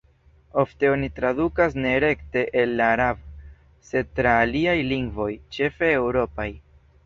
Ofte oni tradukas ne rekte el la araba, sed tra aliaj lingvoj, ĉefe eŭropaj.